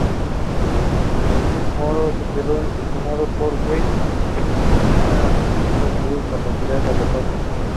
The parliament is yet to meet.